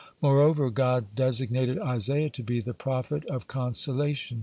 Moreover God designated Isaiah to be "the prophet of consolation."